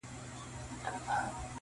• ترخه د طعن به غوځار کړي هله..